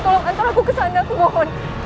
tolong antar aku ke sana aku mohon